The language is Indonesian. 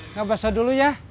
nggak basah dulu ya